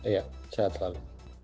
iya sehat selalu